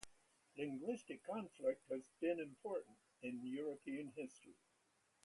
Linguistic conflict has been important in European history.